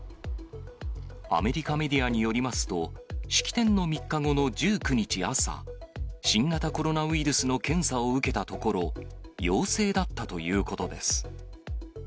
アメリカメディアによりますと、式典の３日後の１９日朝、新型コロナウイルスの検査を受けたところ、陽性だったということです。